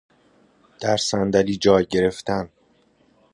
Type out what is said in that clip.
در صندلی جای گرفتن